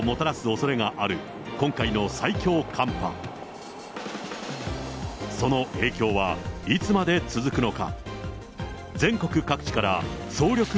その影響はいつまで続くのか。